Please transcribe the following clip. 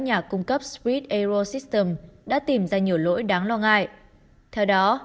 nhà cung cấp spirit aerosystem đã tìm ra nhiều lỗi đáng lo ngại theo đó